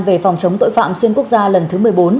về phòng chống tội phạm xuyên quốc gia lần thứ một mươi bốn